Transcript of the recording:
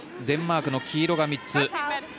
デンマークの黄色が３つ。